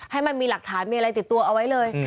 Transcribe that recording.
ให้มันมีหลักฐานมีอะไรติดตัวเอาไว้เลย